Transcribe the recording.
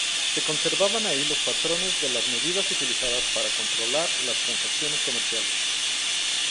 Se conservaban allí los patrones de las medidas utilizadas para controlar las transacciones comerciales.